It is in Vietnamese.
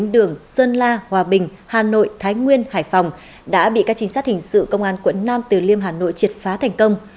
đường sơn la hòa bình hà nội thái nguyên hải phòng đã bị các trinh sát hình sự công an quận nam từ liêm hà nội triệt phá thành công